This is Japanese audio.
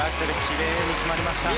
きれいに決まりました。